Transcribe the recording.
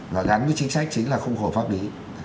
và gắn với chính sách chính là khung khổ pháp lý